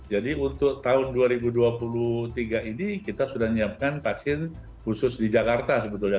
jadi untuk tahun dua ribu dua puluh tiga ini kita sudah menyiapkan vaksin khusus di jakarta sebetulnya